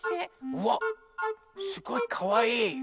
うわっすごいかわいい！